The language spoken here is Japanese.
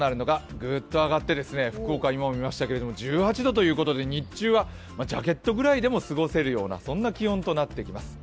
グッと上がって福岡、今も見ましたけど１８度ということで日中はジャケットぐらいでも過ごせるような気温となってきます。